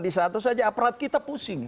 di satu saja aparat kita pusing